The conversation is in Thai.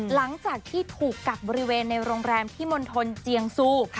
หลังจากที่ถูกกักบริเวณในโรงแรมที่มณฑลเจียงซู